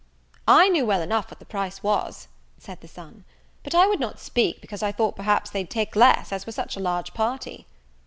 "I knew well enough what the price was," said the son; "but I would not speak, because I thought perhaps they'd take less, as we're such a large party."